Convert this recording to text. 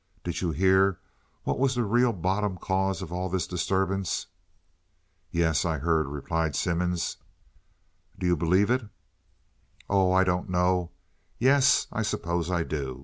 Did you ever hear what was the real bottom cause of all this disturbance?" "Yes, I've heard," replied Simmons. "Do you believe it?" "Oh, I don't know. Yes, I suppose I do.